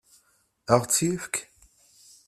Ad ɣ-tt-yefk?